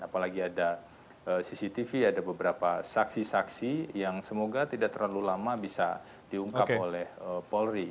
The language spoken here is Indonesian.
apalagi ada cctv ada beberapa saksi saksi yang semoga tidak terlalu lama bisa diungkapkan